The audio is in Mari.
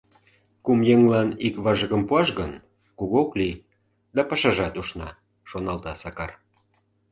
Кум еҥлан ик важыкым пуаш гын, кугу ок лий, да пашажат ушна», — шоналта Сакар.